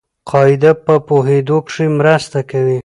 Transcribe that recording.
قاعده په پوهېدو کښي مرسته کوي.